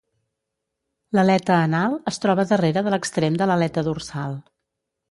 L'aleta anal es troba darrere de l'extrem de l'aleta dorsal.